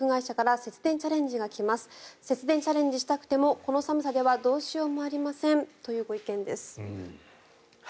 節電チャレンジしたくてもこの寒さではどうしようもありませんというご意見です。